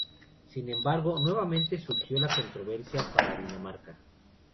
Sin embargo, nuevamente surgió la controversia para Dinamarca.